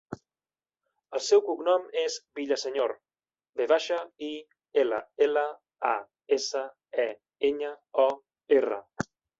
El seu cognom és Villaseñor: ve baixa, i, ela, ela, a, essa, e, enya, o, erra.